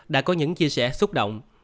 đã có những chia sẻ xúc động